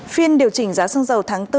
phiên điều chỉnh giá xương dầu tháng bốn